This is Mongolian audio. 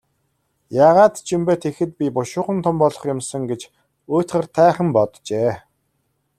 Яагаад ч юм бэ, тэгэхэд би бушуухан том болох юм сан гэж уйтгартайхан боджээ.